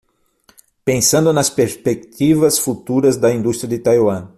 Pensando nas perspectivas futuras da indústria de Taiwan